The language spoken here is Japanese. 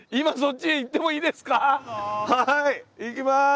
はい行きます。